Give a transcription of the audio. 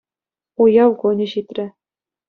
Уяв кунӗ ҫитрӗ.